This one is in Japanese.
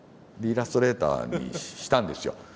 「イラストレーター」にしたんですよ。